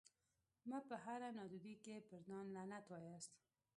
مه په هره نادودي کي پر ځان لعنت واياست